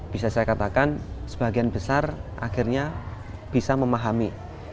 bisa saya katakan sebagian besar akhirnya bisa memahami